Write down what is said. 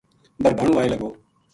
بھربھانو آئے لگو